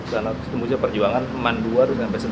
karena terus tembusnya perjuangan ke mandua terus smp sebelas